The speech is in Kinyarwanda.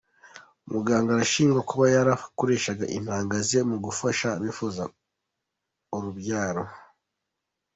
Umuganga arashinjwa kuba yarakoreshaga intanga ze mu gufasha abifuza urubyaro.